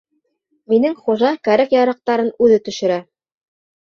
Минең хужа кәрәк-яраҡтарын үҙе төшөрә.